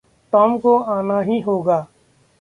Tom को आना ही होगा।